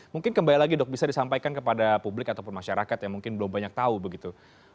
mungkin kembali lagi dok bisa disampaikan kepada publik ataupun masyarakat yang mungkin belum banyak tahu begitu